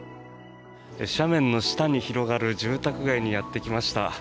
斜面の下に広がる住宅街にやってきました。